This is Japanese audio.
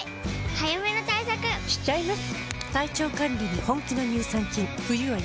早めの対策しちゃいます。